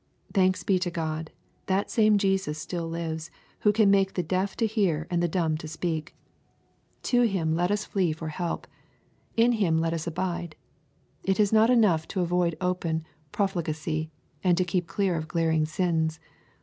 Thanks be to God, that same Jesus still lives, who can make the deaf to hear and the dumb to speak ! To Him let us flee for 18 EXFuSITORY THOUGHTS. help. In Him let Ub abide. It is not enough to avoid open profligacy, and to keep clear of glaring sins.